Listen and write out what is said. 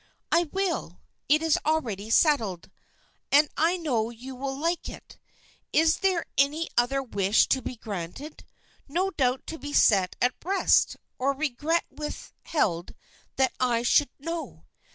"I will, it is already settled, and I know you will like it. Is there no other wish to be granted, no doubt to be set at rest, or regret withheld that I should know?